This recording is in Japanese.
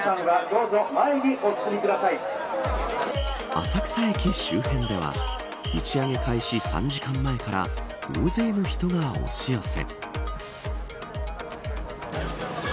浅草駅周辺では打ち上げ開始３時間前から大勢の人が押し寄せ。